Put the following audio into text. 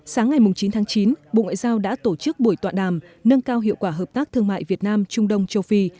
sáng ngày chín tháng chín bộ ngoại giao đã tổ chức buổi tọa đàm nâng cao hiệu quả hợp tác thương mại việt nam trung đông châu phi